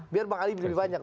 biar bang ali lebih banyak